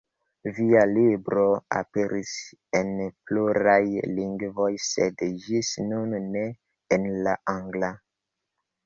Via libro aperis en pluraj lingvoj, sed ĝis nun ne en la angla.